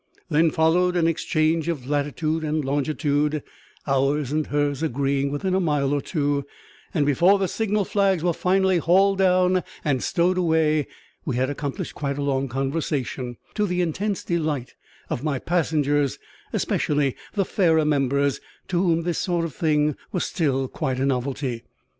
Then followed an exchange of latitude and longitude, ours and hers agreeing within a mile or two; and before the signal flags were finally hauled down and stowed away we had accomplished quite a long conversation, to the intense delight of my passengers, especially the fairer members, to whom this sort of thing was still quite a novelty.